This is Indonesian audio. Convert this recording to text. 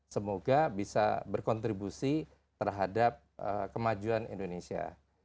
semoga bisa berkontribusi terhadap kemajuan indonesia